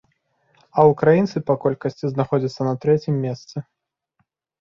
А ўкраінцы па колькасці знаходзяцца на трэцім месцы.